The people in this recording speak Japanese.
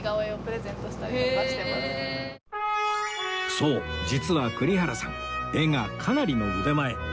そう実は栗原さん絵がかなりの腕前